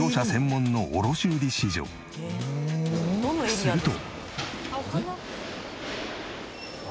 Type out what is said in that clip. すると。